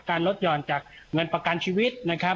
ลดหย่อนจากเงินประกันชีวิตนะครับ